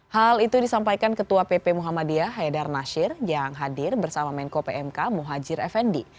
hal itu disampaikan ketua pp muhammadiyah haidar nasir yang hadir bersama menko pmk muhajir effendi